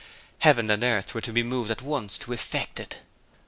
Heaven and earth were to be moved at once to effect it.